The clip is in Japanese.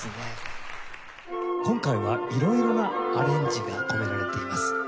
今回はいろいろなアレンジが込められています。